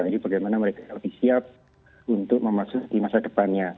jadi bagaimana mereka lebih siap untuk memasuki masa depannya